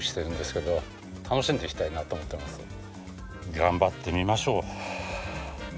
頑張ってみましょう。